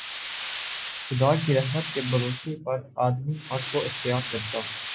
خدا کی رحمت کے بھروسے پر آدمی حق کو اختیار کرتا